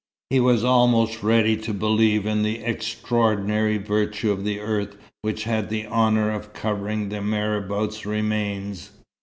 He was almost ready to believe in the extraordinary virtue of the earth which had the honour of covering the marabout's remains.